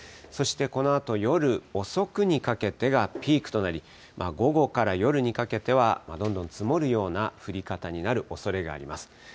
そしてこのあと夜遅くにかけてがピークとなり、午後から夜にかけては、どんどん積もるような降り方になるおそれがあります。